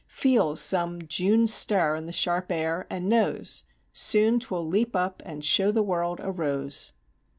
Feels some June stir in the sharp air and knows Soon 'twill leap up and show the world a rose.